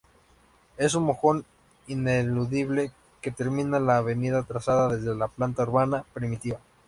Es un mojón ineludible que termina la avenida trazada desde la planta urbana primitiva.